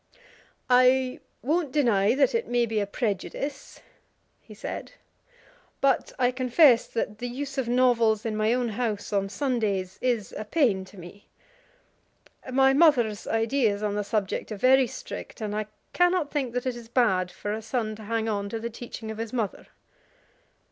"I won't deny that it may be a prejudice," he said, "but I confess that the use of novels in my own house on Sundays is a pain to me. My mother's ideas on the subject are very strict, and I cannot think that it is bad for a son to hang on to the teaching of his mother."